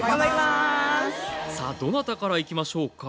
さあどなたからいきましょうか？